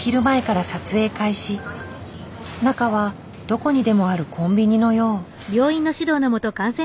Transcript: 中はどこにでもあるコンビニのよう。